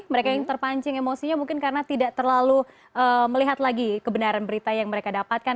mereka yang terpancing emosinya mungkin karena tidak terlalu melihat lagi kebenaran berita yang mereka dapatkan